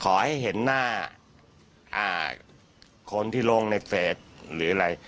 ขอให้เห็นหน้าคนที่ลงในเฟสหรืออะไร